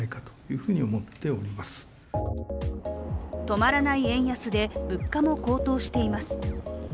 止まらない円安で、物価も高騰しています。